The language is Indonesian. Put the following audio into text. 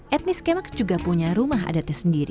etnis kemak juga punya rumah adatnya sendiri